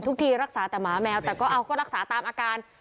ทีรักษาแต่หมาแมวแต่ก็เอาก็รักษาตามอาการ